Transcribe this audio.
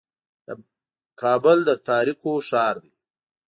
کابل د تاریکو ښار دی.